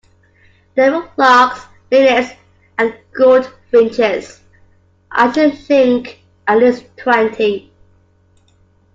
There were larks, linnets, and goldfinches — I should think at least twenty.